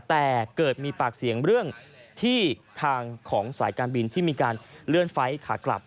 แต่เกิดมีปากเสียงเรื่องที่ทางของสายการบินที่มีการเลื่อนไฟล์ขากลับ